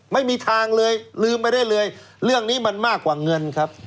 ไม่มีทางเลยลืมไปได้เลยเรื่องนี้มันมากกว่าเงินครับ